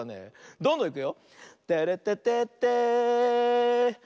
どんどんいくよ。